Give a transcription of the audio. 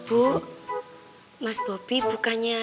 bu mas bobby bukannya